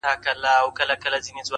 o ستادی ،ستادی، ستادی فريادي گلي.